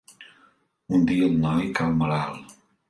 Un dia el noi cau malalt.